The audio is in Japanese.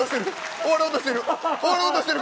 終わろうとしてる。